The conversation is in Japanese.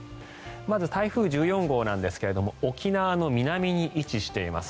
まず台風１４号なんですが沖縄の南に位置しています。